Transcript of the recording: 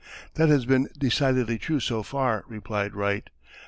"That has been decidedly true so far," replied Wright.